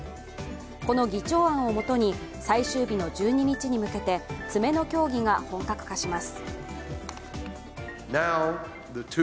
この議長案をもとに、最終日の１２日に向けて詰めの協議が本格化します。